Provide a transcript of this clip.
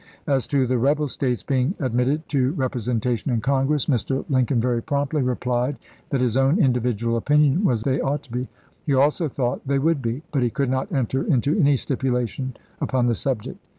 As to the rebel States being ad mitted to representation in Congress, " Mr. Lincoln very promptly replied that his own individual THE HAMPTON ROADS CONFERENCE 123 opinion was they ought to be. He also thought chap.vi. they would be ; but he could not enter into any stipulation upon the subject.